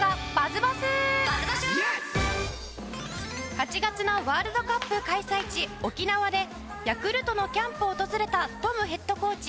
８月のワールドカップ開催地沖縄でヤクルトのキャンプを訪れたトムヘッドコーチ。